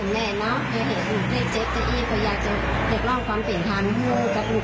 มิติว่ามาแผลของเขารูก